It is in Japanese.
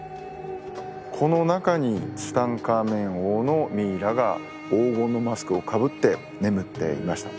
この中にツタンカーメン王のミイラが黄金のマスクをかぶって眠っていました。